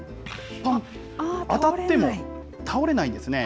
ぱん、当たっても倒れないんですね。